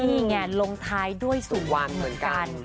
นี่ไงลงท้ายด้วยสุวรรณเหมือนกัน